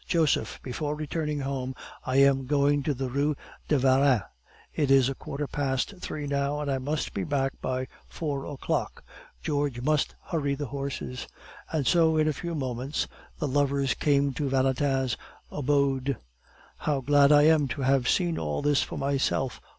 "Joseph, before returning home I am going to the Rue de Varenne. It is a quarter past three now, and I must be back by four o'clock. George must hurry the horses." And so in a few moments the lovers came to Valentin's abode. "How glad I am to have seen all this for myself!"